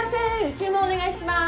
注文お願いします！